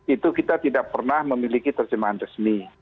itu kita tidak pernah memiliki terjemahan resmi